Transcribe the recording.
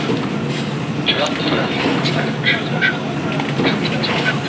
郭蛤蟆城的历史年代为宋代。